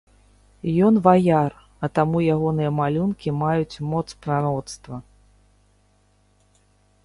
Ён ваяр, а таму ягоныя малюнкі маюць моц прароцтва.